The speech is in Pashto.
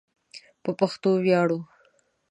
په پښتو ویاړو